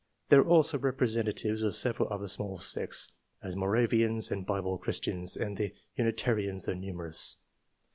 There are also representatives of several other small sects, as Moravians and Bible Christians, and the Uni tarians are numerous.